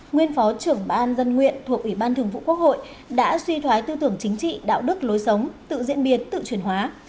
nguyên phó trưởng ban dân nguyện thuộc ủy ban thường vụ quốc hội đã suy thoái tư tưởng chính trị đạo đức lối sống tự diễn biến tự chuyển hóa